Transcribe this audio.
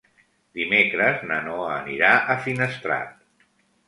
Dimecres na Noa anirà a Finestrat.